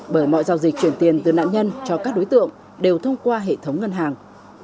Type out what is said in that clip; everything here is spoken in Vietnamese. bởi mọi giao dịch chuyển tiền từ nạn nhân cho các đối tượng đều thông qua hệ thống ngân hàng